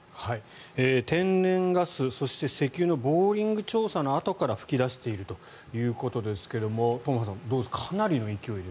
天然ガス、そして石油のボーリングの調査の跡から噴き出しているということですけれどもトンフィさんどうですか。